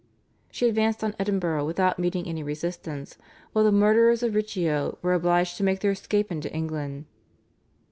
She advanced on Edinburgh without meeting any resistance, while the murderers of Riccio were obliged to make their escape into England.